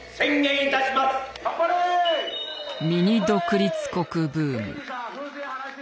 ミニ独立国ブーム。